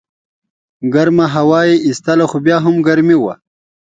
ګرمه هوا یې ایستله خو بیا هم ګرمي وه.